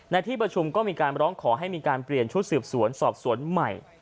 ในที่ประชุมก็มีการร้องขอให้มีการเปลี่ยนชุดสืบสวนสอบสวนใหม่